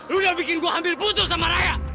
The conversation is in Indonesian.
lo udah bikin gue hampir putus sama raya